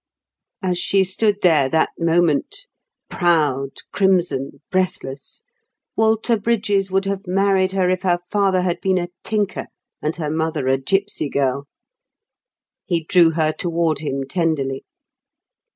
As she stood there that moment—proud, crimson, breathless—Walter Brydges would have married her if her father had been a tinker and her mother a gipsy girl. He drew her toward him tenderly.